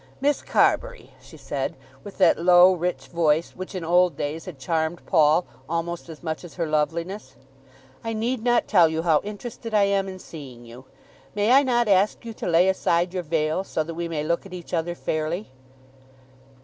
"Miss Carbury," she said with that low, rich voice which in old days had charmed Paul almost as much as her loveliness, "I need not tell you how interested I am in seeing you. May I not ask you to lay aside your veil, so that we may look at each other fairly?"